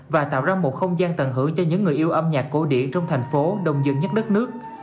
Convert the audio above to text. và tạo ra một không gian tận hưởng cho những người yêu âm nhạc cổ điển trong thành phố đông dân nhất đất nước